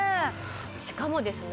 しかもですね